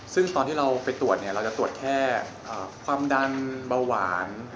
ซึ่งตอนที่เราไปตรวจเราจะตรวจแค่ความดันเบาหวาน